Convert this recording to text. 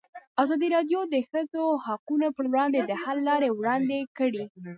ازادي راډیو د د ښځو حقونه پر وړاندې د حل لارې وړاندې کړي.